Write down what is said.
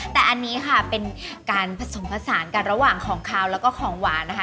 แต่อันนี้ค่ะเป็นการผสมผสานกันระหว่างของขาวแล้วก็ของหวานนะคะ